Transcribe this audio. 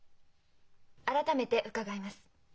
改めて伺います。